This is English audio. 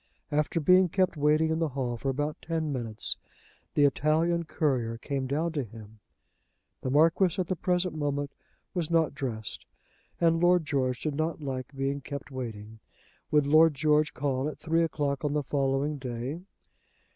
After being kept waiting in the hall for about ten minutes, the Italian courier came down to him. The Marquis at the present moment was not dressed, and Lord George did not like being kept waiting. Would Lord George call at three o'clock on the following day.